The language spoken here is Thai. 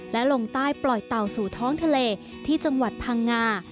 และลงใต้ปล่อยเต่าสู่ท้องทะเลที่จังหวัดพังงา